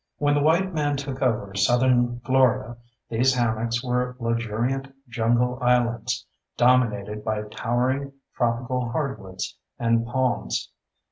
When the white man took over southern Florida, these hammocks were luxuriant jungle islands dominated by towering tropical hardwoods and palms.